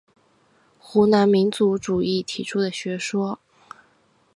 湖南民族主义提出的学说。